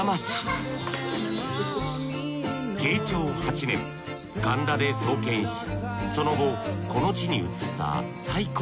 慶長８年神田で創建しその後この地に移った西光寺。